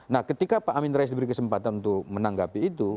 nah ketika pak amin rais diberi kesempatan untuk menanggapi itu